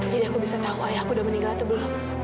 jadi aku bisa tau ayah aku udah meninggal atau belum